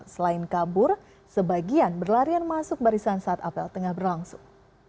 selain kabur sebagian berlarian masuk barisan saat apel tengah berlangsung